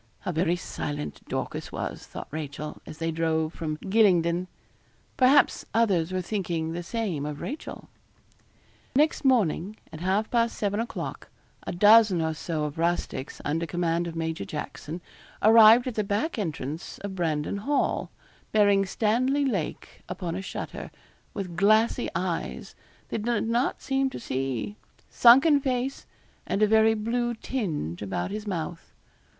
How very silent Dorcas was, thought Rachel, as they drove from Gylingden. Perhaps others were thinking the same of Rachel. Next morning, at half past seven o'clock, a dozen or so of rustics, under command of Major Jackson, arrived at the back entrance of Brandon Hall, bearing Stanley Lake upon a shutter, with glassy eyes, that did not seem to see, sunken face, and a very blue tinge about his mouth.